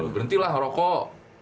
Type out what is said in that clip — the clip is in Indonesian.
berhenti lah ngerokok